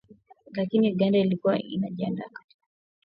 Lakini Uganda ilikuwa inajiandaa na hali yoyote itakayojitokeza.